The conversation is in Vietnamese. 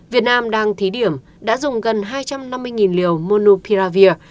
việt nam đang thí điểm đã dùng gần hai trăm năm mươi liều monupiravir